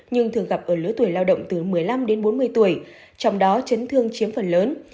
nhưng thường gặp ở lứa tuổi lao động từ một mươi năm đến bốn mươi tuổi trong đó chấn thương chiếm phần lớn